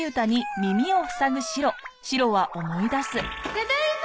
ただいま。